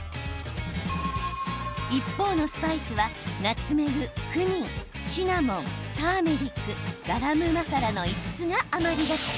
一方のスパイスは、ナツメグクミン、シナモン、ターメリックガラムマサラの５つが余りがち。